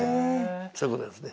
そういうことですね。